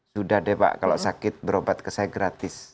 sudah deh pak kalau sakit berobat ke saya gratis